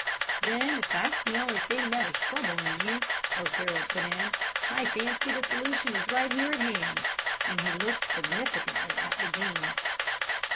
"'Then, if that's the only thing that is troubling you,' O'Farroll put in, 'I fancy the solution is right here at hand,' and he looked significantly at the Dean.